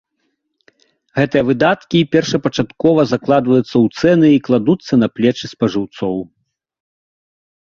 Гэтыя выдаткі першапачаткова закладваюцца ў цэны і кладуцца на плечы спажыўцоў.